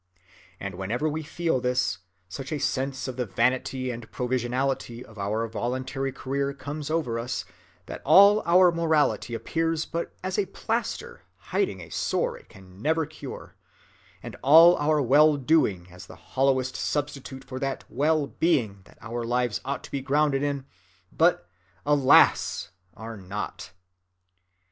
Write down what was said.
And whenever we feel this, such a sense of the vanity and provisionality of our voluntary career comes over us that all our morality appears but as a plaster hiding a sore it can never cure, and all our well‐doing as the hollowest substitute for that well‐_being_ that our lives ought to be grounded in, but, alas! are not.